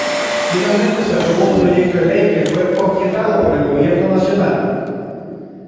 Finalmente se aprobó un Proyecto de Ley que fue objetado por el Gobierno Nacional.